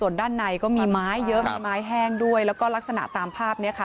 ส่วนด้านในก็มีไม้เยอะมีไม้แห้งด้วยแล้วก็ลักษณะตามภาพนี้ค่ะ